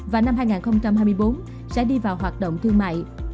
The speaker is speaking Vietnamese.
và năm hai nghìn hai mươi bốn sẽ đi vào hoạt động thương mại